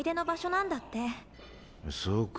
そうか。